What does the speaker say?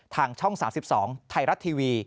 ทางช่อง๓๒ไทยรัฐทีวี